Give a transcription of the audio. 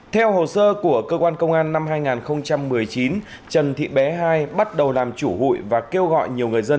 theo hồ sơ của cơ quan công an năm hai nghìn một mươi chín trần thị bé hai bắt đầu làm chủ hụi và kêu gọi nhiều người dân